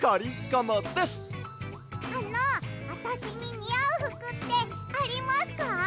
あのあたしににあうふくってありますか？